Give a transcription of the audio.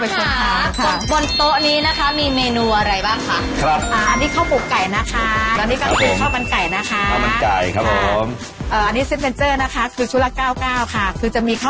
ใช่ค่ะก็จะไปเสิร์ฟให้กับเจ๊จ๊ะกันนะครับใช่ค่ะ